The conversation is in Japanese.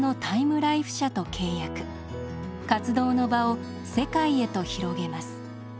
活動の場を世界へと広げます。